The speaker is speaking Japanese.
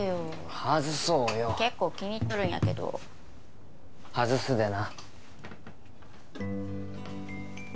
外そうよ結構気に入っとるんやけど外すでな